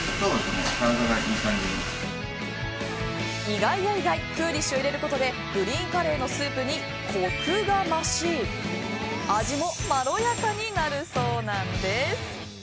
意外や意外クーリッシュを入れることでグリーンカレーのスープにコクが増し味もまろやかになるそうなんです。